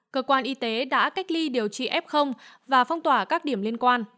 cơ quan y tế đã cách ly điều trị f và phong tỏa các điểm liên quan